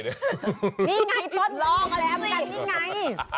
นี่ไงทดลองกันสินี่ไง